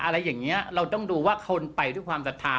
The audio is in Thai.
เราต้องดูว่าคนไปด้วยความศรัทธา